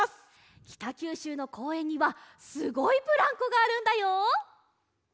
きたきゅうしゅうのこうえんにはすごいブランコがあるんだよ！